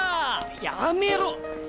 やめろ。